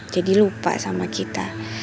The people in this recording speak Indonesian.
jadi lupa sama kita